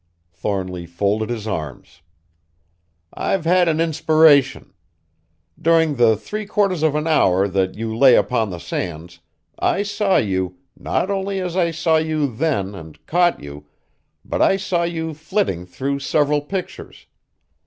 Thornly folded his arms. "I've had an inspiration. During the three quarters of an hour that you lay upon the sands, I saw you, not only as I saw you then and caught you, but I saw you flitting through several pictures.